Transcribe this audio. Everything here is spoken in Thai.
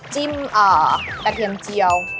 จิ้มกระเทียมเจียว